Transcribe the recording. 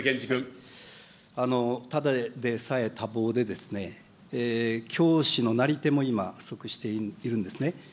ただでさえ多忙で、教師のなり手も今、不足しているんですね。